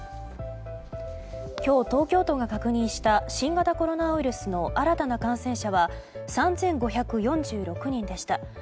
今日、東京都が確認した新型コロナウイルスの新たな感染者は３５４６人でした。